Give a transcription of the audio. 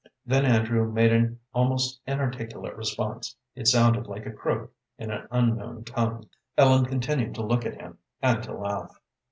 Then Andrew made an almost inarticulate response; it sounded like a croak in an unknown tongue. Ellen continued to look at him, and to laugh.